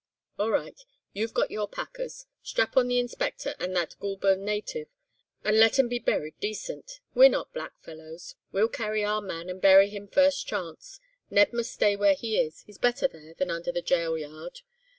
"'All right, you've got your packers; strap on the Inspector, and that Goulburn native, and let 'em be buried decent. We're not black fellows. We'll carry our man, and bury him first chance. Ned must stay where he is—he's better there than under the gaol yard.